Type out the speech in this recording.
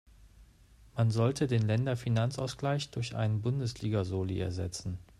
Man sollte den Länderfinanzausgleich durch einen Bundesliga-Soli ersetzen.